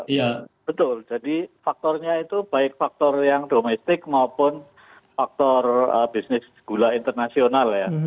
ya betul jadi faktornya itu baik faktor yang domestik maupun faktor bisnis gula internasional ya